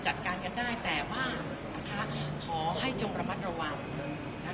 จัดการกันได้แต่ว่าขอให้จงระมัดระวังนะคะ